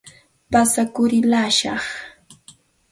Pasakurillashqaa.